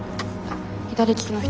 左利きの人